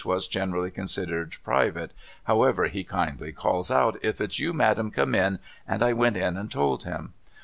LIRRIPER'S LODGINGS generally considered private, however he kindly calls out * If it's you, Madam, come in,' and I went in and told him.